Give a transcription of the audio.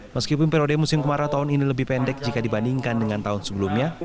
meskipun periode musim kemarau tahun ini lebih pendek jika dibandingkan dengan tahun sebelumnya